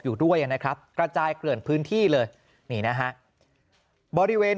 อยู่ด้วยนะครับกระจายเกลื่อนพื้นที่เลยนี่นะฮะบริเวณ